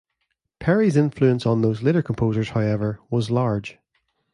Peri's influence on those later composers, however, was large.